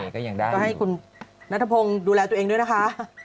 ก็ให้คุณนัทพงศ์ดูแลตัวเองด้วยนะคะ